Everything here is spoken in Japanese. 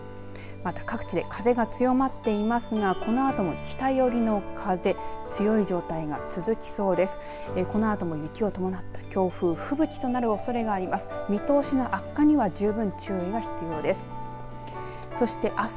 また各地で風が強まっていますがこのあとも北寄りの風強い状態が続きそうです。